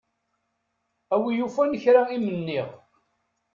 A wi yufan kra i m-nniɣ.